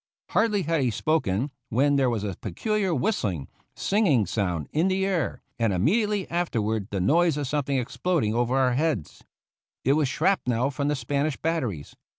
Hardly had he spoken when there was a peculiar whistling, sing ing sound in the air, and immediately afterward the noise of something exploding over our heads. It was shrapnel from the Spanish batteries.